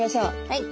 はい。